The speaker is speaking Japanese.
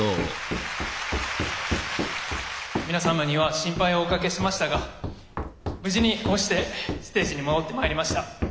皆様には心配をおかけしましたが無事にこうしてステージに戻ってまいりました。